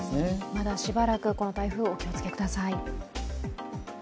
まだしばらく、この台風お気をつけください。